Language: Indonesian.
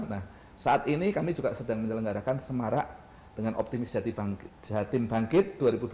nah saat ini kami juga sedang menyelenggarakan semarak dengan optimis jatim bangkit dua ribu dua puluh